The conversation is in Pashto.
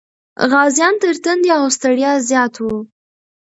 غازيان تر تندې او ستړیا زیات و.